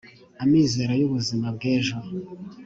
amizero y ubuzima bw ejo